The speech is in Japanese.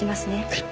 はい。